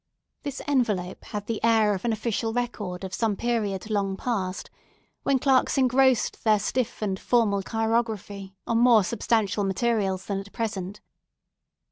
This envelope had the air of an official record of some period long past, when clerks engrossed their stiff and formal chirography on more substantial materials than at present.